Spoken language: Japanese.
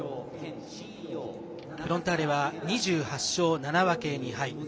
フロンターレは２８勝７分け２敗。